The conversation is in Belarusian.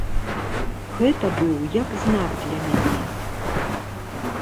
Гэта быў як знак для мяне.